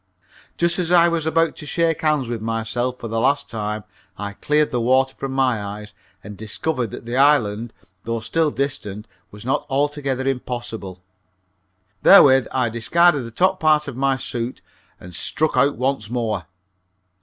Just as I was about to shake hands with myself for the last time I cleared the water from my eyes and discovered that the island though still distant was not altogether impossible. Therewith I discarded the top part of my suit and struck out once more.